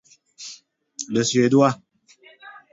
Le suédois.